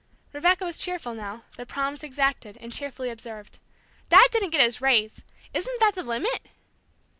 Rebecca was cheerful now, the promise exacted, and cheerfully observed: "Dad didn't get his raise isn't that the limit?"